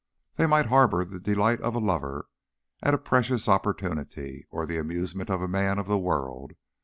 They might harbour the delight of a lover at a precious opportunity, or the amusement of a man of the world.